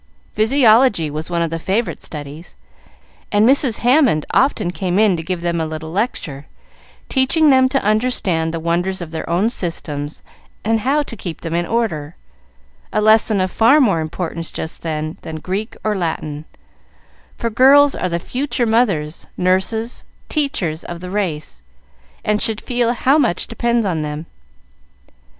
Physiology was one of the favorite studies, and Mrs. Hammond often came in to give them a little lecture, teaching them to understand the wonders of their own systems, and how to keep them in order a lesson of far more importance just then than Greek or Latin, for girls are the future mothers, nurses, teachers, of the race, and should feel how much depends on them.